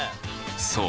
そう。